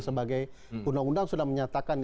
sebagai undang undang sudah menyatakan